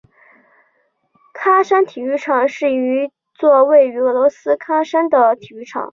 喀山体育场是一座位于俄罗斯喀山的体育场。